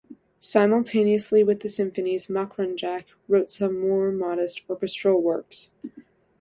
Simultaneously with the symphonies, Mokranjac wrote some more modest orchestral works.